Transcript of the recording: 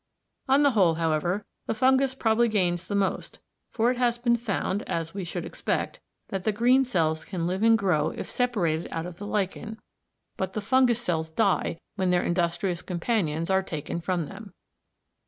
On the whole, however, the fungus probably gains the most, for it has been found, as we should expect, that the green cells can live and grow if separated out of the lichen, but the fungus cells die when their industrious companions are taken from them.